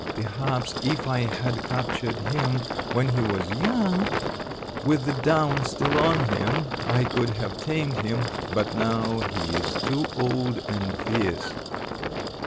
Perhaps if I had captured him when he was young, with the down still on him, I could have tamed him, but now he is too old and fierce."